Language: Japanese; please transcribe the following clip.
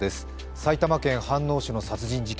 埼玉県飯能市の殺人事件。